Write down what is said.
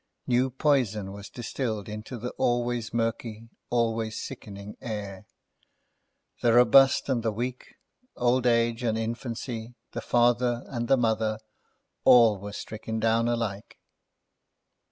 New poison was distilled into the always murky, always sickening air. The robust and the weak, old age and infancy, the father and the mother, all were stricken down alike.